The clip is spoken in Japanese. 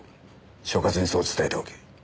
所轄にそう伝えておけ。